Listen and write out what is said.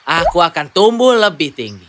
aku akan tumbuh lebih tinggi